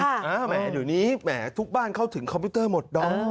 อ้าวแหม่อยู่นี้แหม่ทุกบ้านเข้าถึงคอมพิวเตอร์หมดด้อง